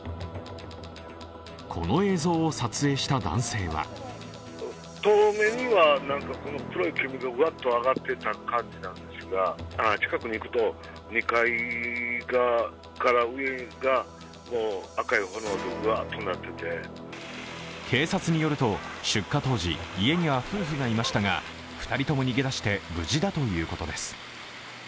この映像を撮影した男性は警察によると出火当時、家には夫婦がいましたが２人とも逃げ出して無事だということです。